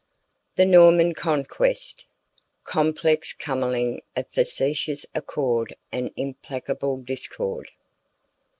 THE NORMAN CONQUEST: COMPLEX COMMINGLING OF FACETIOUS ACCORD AND IMPLACABLE DISCORD.